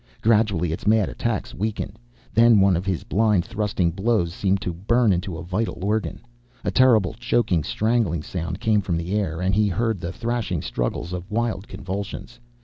Gradually its mad attacks weakened. Then one of his blind, thrusting blows seemed to burn into a vital organ. A terrible choking, strangling sound came from the air. And he heard the thrashing struggles of wild convulsions.